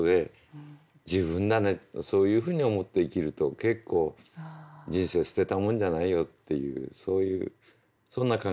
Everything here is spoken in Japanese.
そういうふうに思って生きると結構人生捨てたもんじゃないよっていうそういうそんな考え方ですね。